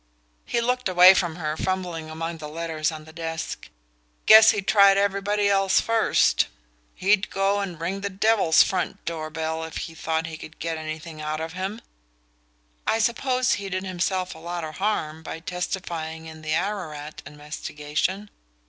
He looked away from her, fumbling among the letters on the desk. "Guess he'd tried everybody else first. He'd go and ring the devil's front door bell if he thought he could get anything out of him." "I suppose he did himself a lot of harm by testifying in the Ararat investigation?"